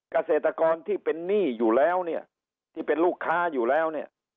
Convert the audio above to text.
เกษตรกรที่เป็นหนี้อยู่แล้วที่เป็นลูกค้าอยู่แล้ว